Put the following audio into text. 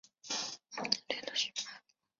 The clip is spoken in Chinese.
成就现今社会局势的历史脉络